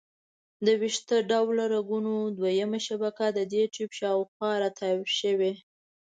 د ویښته ډوله رګونو دویمه شبکه د دې ټیوب شاوخوا را تاو شوي.